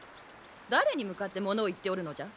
誰に向かって物を言っておるのじゃ。